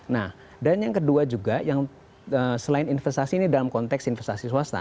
nah dan yang kedua juga yang selain investasi ini dalam konteks investasi swasta